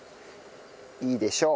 いいでしょう。